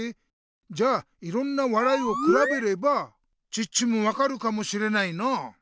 じゃあいろんな笑いをくらべればチッチも分かるかもしれないなあ。